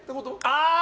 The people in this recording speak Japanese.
ああ！